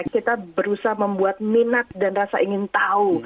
kita berusaha membuat minat dan rasa ingin tahu